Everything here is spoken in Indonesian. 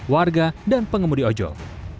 warga dan pengemudi ojol